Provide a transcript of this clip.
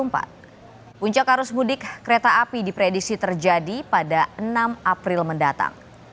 puncak arus mudik kereta api diprediksi terjadi pada enam april mendatang